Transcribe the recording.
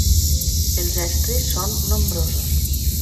Els estris són nombrosos.